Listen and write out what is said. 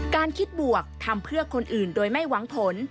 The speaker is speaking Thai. การคิดบวกทำเพื่อคนอื่นโดยไม่หวังผล